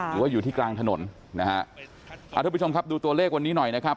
อยู่ที่กลางถนนนะฮะอ่าทุกผู้ชมครับดูตัวเลขวันนี้หน่อยนะครับ